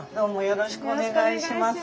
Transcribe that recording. よろしくお願いします。